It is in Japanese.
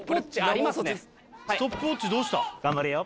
ストップウオッチどうした？